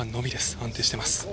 安定しています。